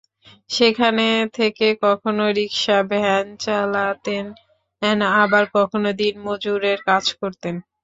সেখানে থেকে কখনো রিকশা ভ্যান চালাতেন, আবার কখনও দিনমজুরের কাজ করতেন।